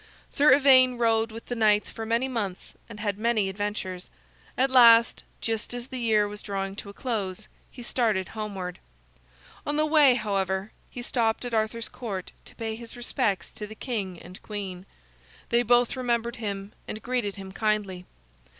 Sir Ivaine rode with the knights for many months, and had many adventures. At last, just as the year was drawing to a close, he started homeward. On the way, however, he stopped at Arthur's Court to pay his respects to the king and the queen. They both remembered him and greeted him kindly.